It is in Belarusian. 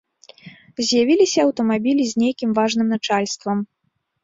З'явіліся аўтамабілі з нейкім важным начальствам.